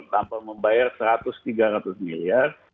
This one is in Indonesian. tanpa membayar seratus tiga ratus miliar